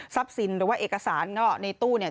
สินหรือว่าเอกสารก็ในตู้เนี่ย